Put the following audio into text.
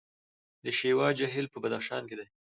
د شیوا جهیل په بدخشان کې دی